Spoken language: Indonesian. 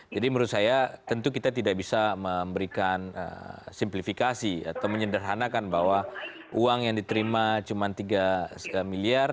jadi menurut saya tentu kita tidak bisa memberikan simplifikasi atau menyederhanakan bahwa uang yang diterima cuma tiga miliar